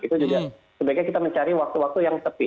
itu juga sebaiknya kita mencari waktu waktu yang sepi